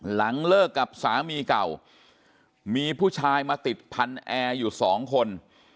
หลังเลิกกับสามีเก่ามีผู้ชายมาติดพันธุ์แอร์อยู่สองคน